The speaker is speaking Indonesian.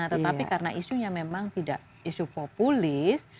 tetapi karena isunya memang tidak isu populis